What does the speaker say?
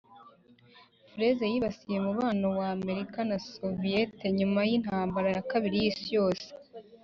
freeze yibasiye umubano w’amerika na soviet nyuma yintambara ya kabiri yisi yose